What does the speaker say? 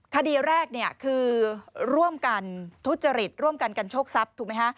คดีแรกคือร่วมกันทุจริตร่วมกันกันโชคทรัพย์